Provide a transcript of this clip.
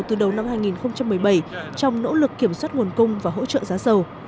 từ đầu năm hai nghìn một mươi bảy trong nỗ lực kiểm soát nguồn cung và hỗ trợ giá dầu